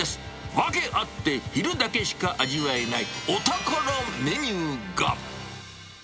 訳あって昼だけしか味わえないお宝メニューが。